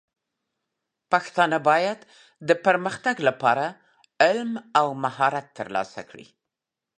پښتانه بايد د پرمختګ لپاره علم او مهارت ترلاسه کړي.